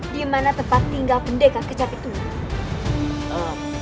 di mana tempat tinggal pendekar kecapi tua